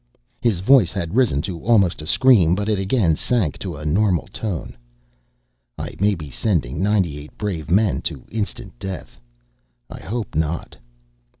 His voice had risen to almost a scream, but it again sank to a normal tone. "I may be sending ninety eight brave men to instant death. I hope not."